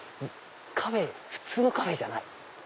普通のカフェじゃない。